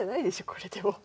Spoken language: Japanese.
これでも。